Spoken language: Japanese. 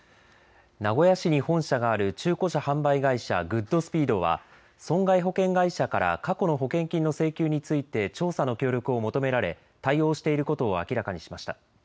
名古屋市に本社がある中古車販売会社、グッドスピードは損害保険会社から過去の保険金の請求について調査の協力を求められ対応していることを明らかにしました。